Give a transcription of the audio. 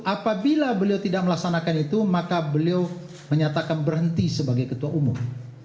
apabila beliau tidak melaksanakan itu maka beliau menyatakan berhenti sebagai ketua umum